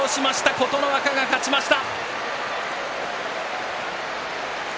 琴ノ若、勝ちました。